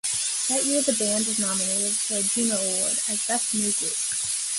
That year the band was nominated for a Juno Award as best new group.